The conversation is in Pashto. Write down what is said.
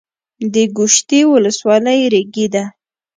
د ګوشتې ولسوالۍ ریګي ده